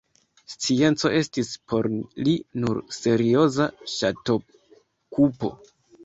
Scienco estis por li nur serioza ŝatokupo.